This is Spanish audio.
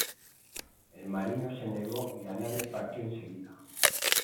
El marino se negó y la nave partió enseguida.